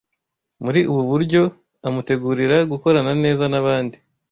muri ubu buryo amutegurira gukorana neza n’abandi.